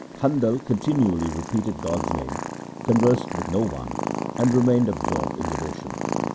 Handal continually repeated God's name, conversed with no one, and remained absorbed in devotion.